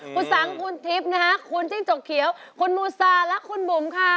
คุณสังคุณทิปคุณจิ้นจกเขียวคุณมูร์ซาและคุณบุ๋มค่ะ